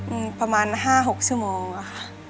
อืมประมาณ๕๖ชั่วโมงค่ะ